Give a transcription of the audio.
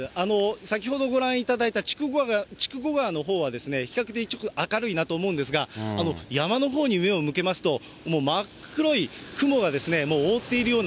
先ほどご覧いただいた筑後川のほうは、比較的ちょっと明るいなと思うんですが、山のほうに目を向けますと、もう真っ黒い雲がもう覆っているよう